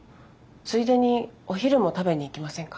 ついでにお昼も食べに行きませんか？